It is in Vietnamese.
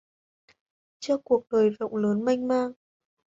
Trước cuộc đời rộng lớn mênh mang